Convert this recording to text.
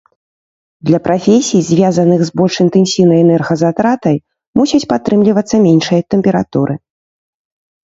Для прафесій, звязаных з больш інтэнсіўнай энергазатратай, мусяць падтрымлівацца меншыя тэмпературы.